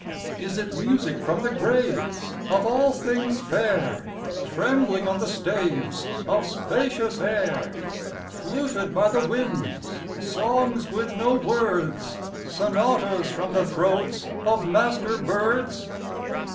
Is it music from the graves Of all things fair Trembling on the staves Of spacious air Fluted by the winds Songs with no words Sonatas from the throats Of master birds?